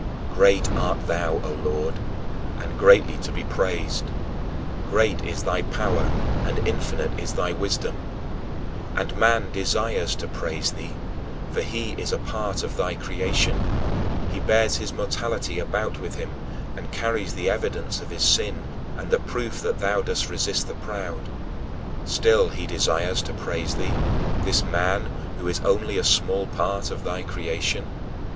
"Great art thou, O Lord, and greatly to be praised; great is thy power, and infinite is thy wisdom." And man desires to praise thee, for he is a part of thy creation; he bears his mortality about with him and carries the evidence of his sin and the proof that thou dost resist the proud. Still he desires to praise thee, this man who is only a small part of thy creation.